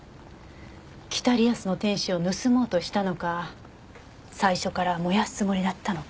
『北リアスの天使』を盗もうとしたのか最初から燃やすつもりだったのか。